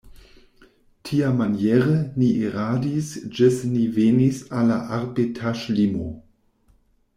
Tiamaniere ni iradis ĝis ni venis al la arbetaĵlimo.